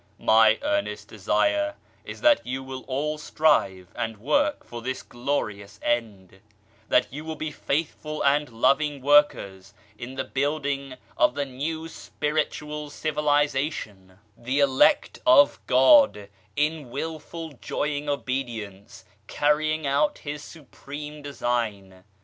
My earnest desire is that you will all strive and work for tiiis glorious end ; that you will be faithful and loving workers in the building of the New Spiritual Civilization ; 30 THE UNIVERSAL LOVE the elect of God, in willing joyful obedience carrying out His supreme design